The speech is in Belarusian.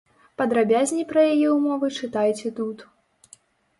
Падрабязней пра яе ўмовы чытайце тут.